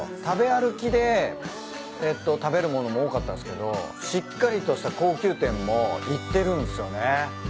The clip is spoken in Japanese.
食べ歩きで食べる物も多かったんすけどしっかりとした高級店も行ってるんすよね。